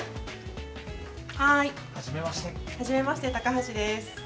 はじめまして高橋です。